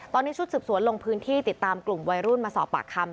ตอนนี้ชุดสืบสวนลงพื้นที่ติดตามกลุ่มวัยรุ่นมาสอบปากคำ